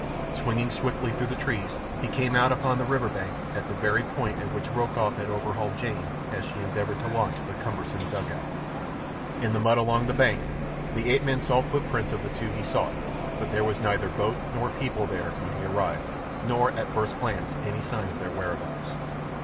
Swinging swiftly through the trees, he came out upon the river bank at the very point at which Rokoff had overhauled Jane as she endeavoured to launch the cumbersome dugout. In the mud along the bank the ape man saw the footprints of the two he sought, but there was neither boat nor people there when he arrived, nor, at first glance, any sign of their whereabouts.